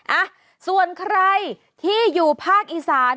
อ่ะส่วนใครที่อยู่ภาคอีสาน